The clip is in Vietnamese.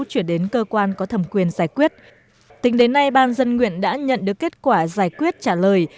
chuyển đến cơ quan có thẩm quyền giải quyết tính đến nay ban dân nguyện đã nhận được kết quả giải quyết trả lời